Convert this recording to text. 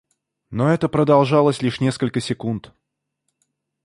Но это продолжалось лишь несколько секунд.